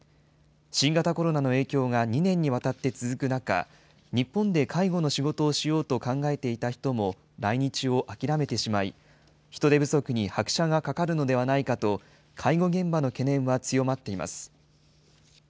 新型コロナの影響が２年にわたって続く中、日本で介護の仕事をしようと考えていた人も来日を諦めてしまい、人手不足に拍車がかかるのではないかと、介護現場の懸念は強まっています。